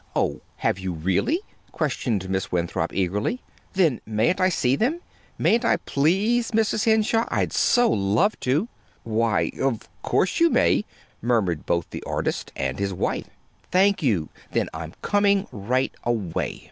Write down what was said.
"Oh, have you, really?" questioned Miss Winthrop, eagerly. "Then mayn't I see them? Mayn't I, please, Mrs. Henshaw? I'd so love to!" "Why, of course you may," murmured both the artist and his wife. "Thank you. Then I'm coming right away.